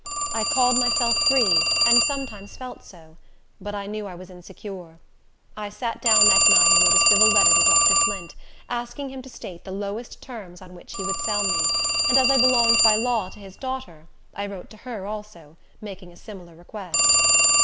I called myself free, and sometimes felt so; but I knew I was insecure. I sat down that night and wrote a civil letter to Dr. Flint, asking him to state the lowest terms on which he would sell me; and as I belonged by law to his daughter, I wrote to her also, making a similar request.